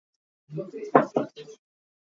Sahrang pakhat a hram kha kan theih.